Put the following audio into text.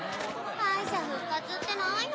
・敗者復活ってないの？